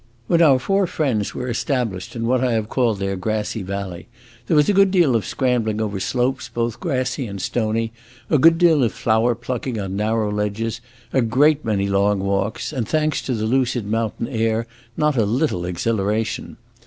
When our four friends were established in what I have called their grassy valley, there was a good deal of scrambling over slopes both grassy and stony, a good deal of flower plucking on narrow ledges, a great many long walks, and, thanks to the lucid mountain air, not a little exhilaration.